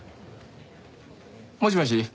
もしもし？